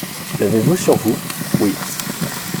L'avez-vous sur vous ? Oui.